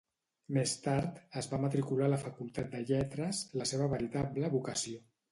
Més tard es va matricular a la Facultat de Lletres, la seva veritable vocació.